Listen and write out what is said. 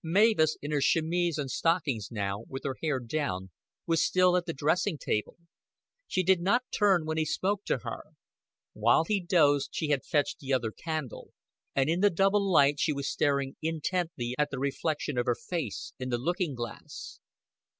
Mavis, in her chemise and stockings now, with her hair down, was still at the dressing table. She did not turn when he spoke to her. While he dozed she had fetched the other candle, and in the double light she was staring intently at the reflection of her face in the looking glass.